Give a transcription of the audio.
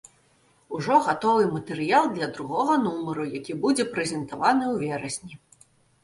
Ужо гатовы матэрыял для другога нумару, які будзе прэзентаваны ў верасні.